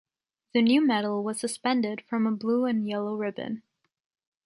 The new medal was suspended from a blue and yellow ribbon.